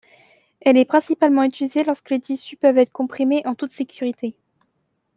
Elle est principalement utilisée lorsque les tissus peuvent être comprimés en toute sécurité.